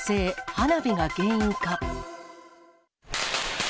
花火が原因か。